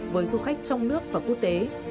với du khách trong nước và quốc tế